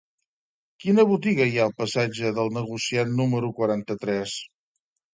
Quina botiga hi ha al passatge del Negociant número quaranta-tres?